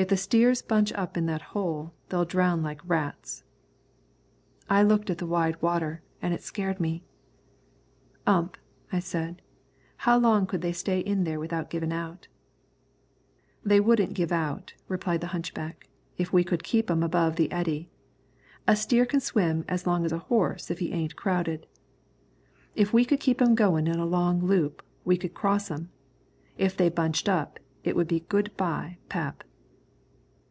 "If the steers bunched up in that hole, they'd drown like rats." I looked at the wide water and it scared me. "Ump," I said, "how long could they stay in there without giving out?" "They wouldn't give out," replied the hunchback, "if we could keep 'em above the eddy. A steer can swim as long as a horse if he ain't crowded. If we could keep 'em goin' in a long loop, we could cross 'em. If they bunched up, it would be good bye, pap."